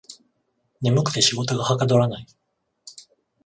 眠くて仕事がはかどらない